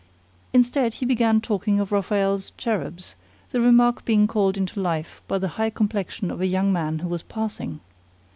Instead he began talking of Raphael's cherubs, the remark being called into life by the high complexion of a young man who was passing.